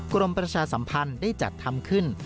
กรมประชาสัมพันธ์ได้จัดทำขึ้น